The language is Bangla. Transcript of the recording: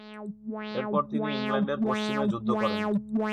এরপর তিনি ইংল্যান্ডের পশ্চিমে যুদ্ধ করেন।